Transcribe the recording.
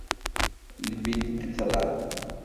Le Petit-Celland